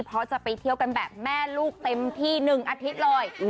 เพราะจะไปเที่ยวกันแบบแม่ลูกเต็มที่๑อาทิตย์เลย